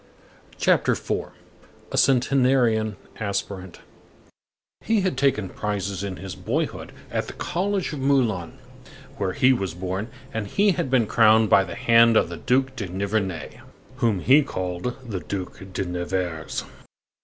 CHAPTER IV—A CENTENARIAN ASPIRANT He had taken prizes in his boyhood at the College of Moulins, where he was born, and he had been crowned by the hand of the Duc de Nivernais, whom he called the Duc de Nevers.